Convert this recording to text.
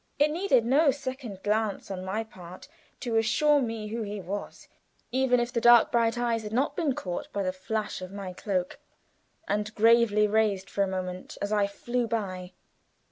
It needed no second glance on my part to assure me who he was even if the dark bright eyes had not been caught by the flash of my cloak, and gravely raised for a moment as I flew by.